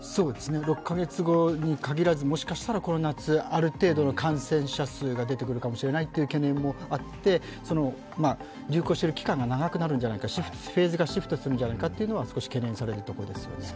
６カ月後に限らず、もしかしたらこの夏、ある程度の感染者数が出てくるかもしれない懸念もあって、流行している期間が長くなるんじゃないか、フェーズがシフトするんじゃないかというのは少し懸念されるところです。